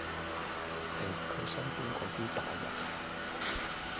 喺佢身邊嗰啲大人